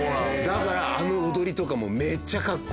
だからあの踊りとかもめっちゃかっこいい。